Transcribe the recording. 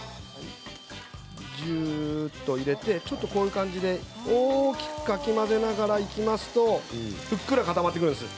ジューッと入れて大きくかき混ぜながらいきますとふっくら固まってくるんです。